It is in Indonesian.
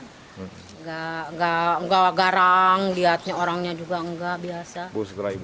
tidak garang lihatnya orangnya juga nggak biasa